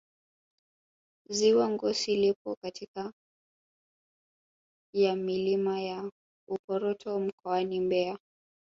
ziwa ngosi lipo katika ya milima ya uporoto mkoani mbeya